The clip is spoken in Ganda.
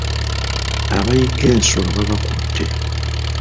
Abayigga ensolo babakutte.